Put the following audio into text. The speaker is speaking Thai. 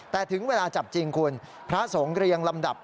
แต่ถึงเวลาจับจริงคุณพระสงฆ์เรียงลำดับ